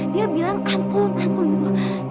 dia bilang ampun ampun gitu